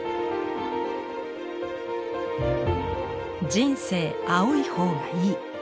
「人生青い方がいい」。